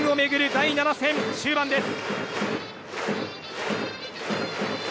第７戦終盤です。